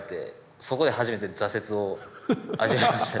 そこで初めて挫折を味わいましたね。